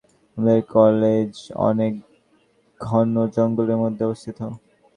আমাদের কলেজ অনেক ঘন জঙ্গলের মধ্যে অবস্থিত।